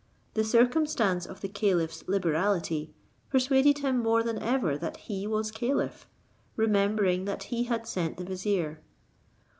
The circumstance of the caliph's liberality persuaded him more than ever that he was caliph, remembering that he had sent the vizier.